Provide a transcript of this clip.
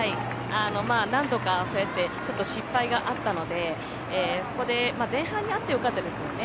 何度かそうやってちょっと失敗があったので前半にあってよかったですよね。